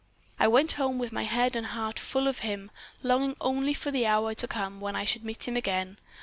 "I went home with my head and heart full of him, longing only for the hour to come when I should meet him again.